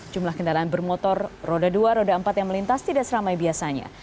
jumlah kendaraan bermotor roda dua roda empat yang melintas tidak seramai biasanya